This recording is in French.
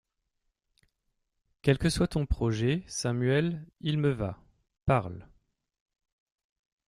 Quel que soit ton projet, Samuel, il me va ; parle.